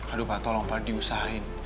aduh pak tolong pak diusahain